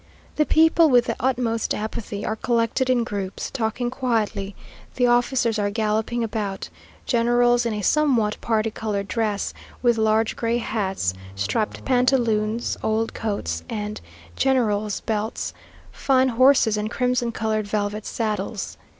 The people, with the utmost apathy, are collected in groups, talking quietly; the officers are galloping about; generals, in a somewhat party coloured dress, with large gray hats, striped pantaloons, old coats, and generals' belts, fine horses, and crimson coloured velvet saddles.